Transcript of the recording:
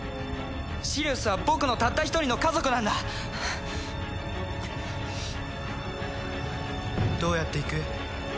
シリウスは僕のたった一人の家族なんだどうやって行く？